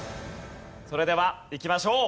それではいきましょう！